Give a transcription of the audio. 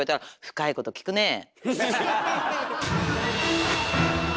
深いこと聞くねぇ